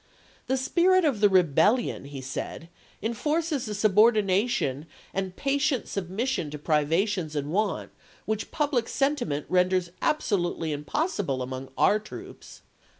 " The spirit of the rebellion," he said, " en forces a subordination and patient submission to privations and want which public sentiment renders absolutely impossible among our troops.